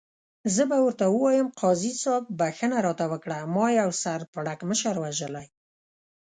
زه به ورته ووایم، قاضي صاحب بخښنه راته وکړه، ما یو سر پړکمشر وژلی.